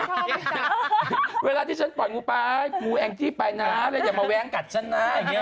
เงียบก่อนงูไปงูแองจี้ไปนะอย่ามาแว้งกัดฉันนะ